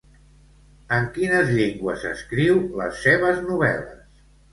En quines llengües escriu les seves novel·les?